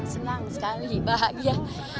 senang sekali bahagia